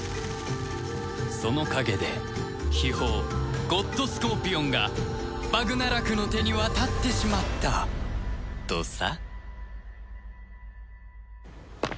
その陰で秘宝ゴッドスコーピオンがバグナラクの手に渡ってしまったとさ